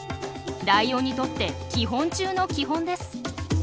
ライオンにとって基本中の基本です。